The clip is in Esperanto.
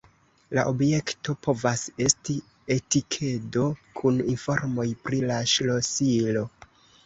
La objekto povas esti etikedo kun informoj pri la ŝlosilo.